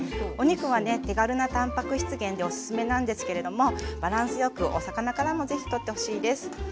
お肉はね手軽なたんぱく質源でおすすめなんですけれどもバランスよくお魚からも是非とってほしいです。